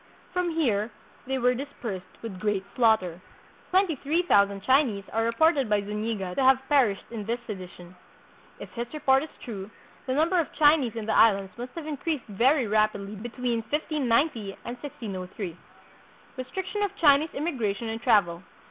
From here they were dis persed with great slaughter. Twenty three thousand Chinese are reported by Zuniga to have perished in this sedition. If his report is true, the number of Chinese in the Islands must have increased very rapidly between 1590 and 1603. Restriction of Chinese Immigration and Travel.